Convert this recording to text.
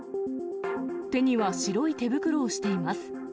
手には白い手袋をしています。